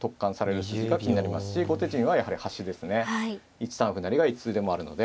１三歩成がいつでもあるので。